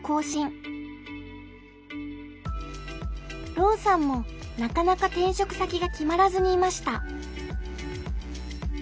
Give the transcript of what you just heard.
朗さんもなかなか転職先が決まらずにいました。